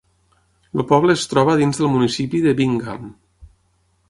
El poble es troba dins del municipi de Bingham.